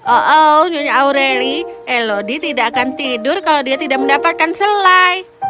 oh nyonya aureli elodie tidak akan tidur kalau dia tidak mendapatkan selai